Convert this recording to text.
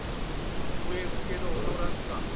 『笛吹けど踊らず』か」。